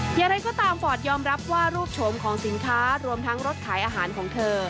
อย่างไรก็ตามฟอร์ดยอมรับว่ารูปโฉมของสินค้ารวมทั้งรถขายอาหารของเธอ